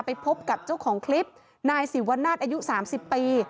ไปพบกับเจ้าของคลิปนายศิวนาศอายุ๓๐ปี